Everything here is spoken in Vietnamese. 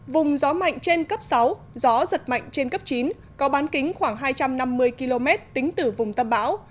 vùng gió mạnh trên cấp sáu gió giật mạnh trên cấp chín có bán kính khoảng hai trăm năm mươi km tính từ vùng tâm bão